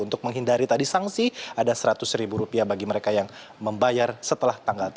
untuk menghindari tadi sanksi ada seratus ribu rupiah bagi mereka yang membayar setelah tanggal tiga puluh satu maret dua ribu delapan belas